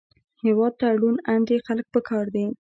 هېواد ته روڼ اندي خلک پکار دي